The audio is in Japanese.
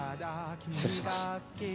失礼します。